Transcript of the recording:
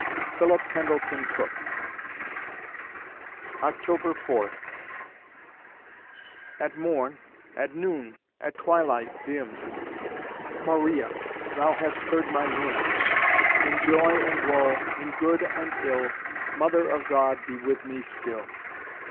PHILIP PENDLETON COOKE October Fourth At morn at noon at twilight dim Maria! thou hast heard my hymn! In joy and woe in good and ill Mother of God, be with me still!